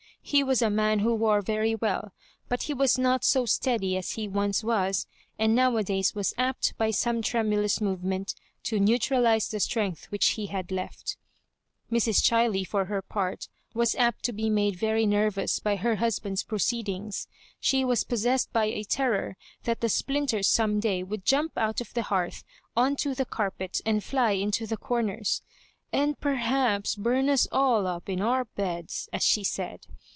He was a man who wore very well, but he was not so steady as he once was, and nowadays was apt, by some tremulous move ment, to neutralise the strength which he had left. Mrs. Chiley, for her part, was apt to be made very nervous by her husband's proceedings. She was possessed by a terror that the splinters some day would jump out^of the hearth on to the carpet, and fly into the comers, "and perhaps bum us all up in our beds," as she said.